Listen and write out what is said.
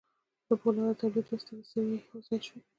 د پولادو د تولید دوې سترې څېرې یو ځای شوې